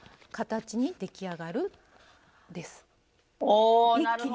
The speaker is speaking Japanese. おおなるほど。